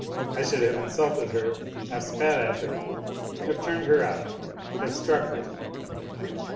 I should have insulted her, have spat at her, have turned her out, have struck her